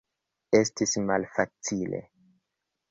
Estis malfacile.